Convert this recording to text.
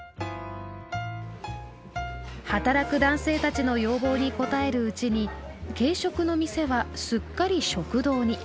働く男性たちの要望に応えるうちに軽食の店はすっかり食堂に。